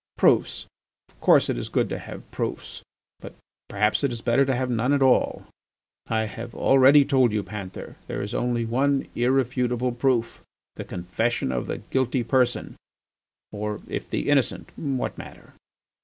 Proofs! of course it is good to have proofs, but perhaps it is better to have none at all. I have already told you, Panther, there is only one irrefutable proof, the confession of the guilty person (or if the innocent what matter!).